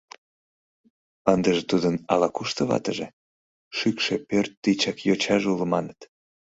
Ындыже тудын ала-кушто ватыже, шӱкшӧ пӧрт тичак йочаже уло маныт.